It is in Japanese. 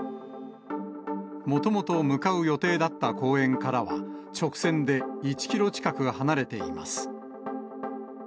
もともと向かう予定だった公園からは、直線で１キロ近く離れています。